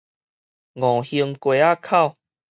吳興街仔口